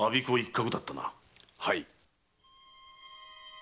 はい。